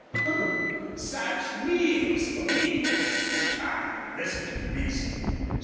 "Pooh! Sarch KNEELS for me." "Child, listen to reason.